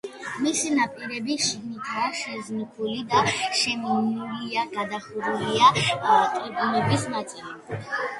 მისი ნაპირები შიგნითაა შეზნექილი და შემინულია, გადახურულია ტრიბუნების ნაწილი.